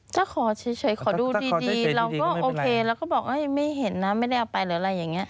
ถ้าขอเฉยขอดูดีเราก็โอเคเราก็บอกไม่เห็นนะไม่ได้เอาไปหรืออะไรอย่างนี้